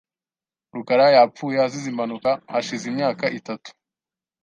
rukara yapfuye azize impanuka hashize imyaka itatu .